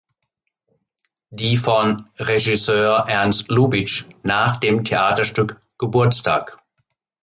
Die von Regisseur Ernst Lubitsch nach dem Theaterstück "Geburtstag.